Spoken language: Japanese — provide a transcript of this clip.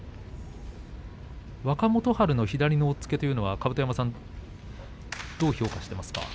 若元春の左の押っつけというのは甲山さん、どう評価していますか。